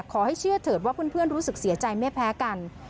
ขอให้เชื่อเถิดว่าเพื่อนรู้สึกเสียใจไม่แพ้กัน